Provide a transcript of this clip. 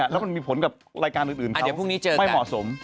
แล้วมันมีผลกับรายการอื่นเขาไม่เหมาะสมเดี๋ยวพรุ่งนี้เจอกัน